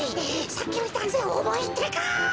さっきよりだんぜんおもいってか。